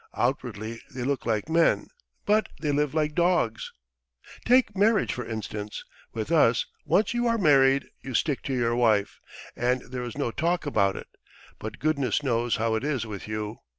Outwardly they look like men, but they live like dogs. Take marriage for instance. With us, once you are married, you stick to your wife, and there is no talk about it, but goodness knows how it is with you.